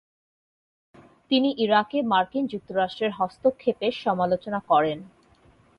তিনি ইরাকে মার্কিন যুক্তরাষ্ট্রের হস্তক্ষেপের সমালোচনা করেন।